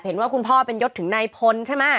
เห็นว่าคุณพ่อเป็นยศถึงนายพลใช่มะ